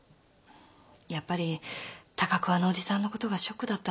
やっぱり高桑のおじさんのことがショックだったんでしょう。